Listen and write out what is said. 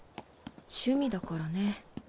趣味だからね。